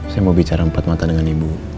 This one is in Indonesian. saya mau bicara empat mata dengan ibu